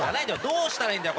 どうしたらいいんだよ？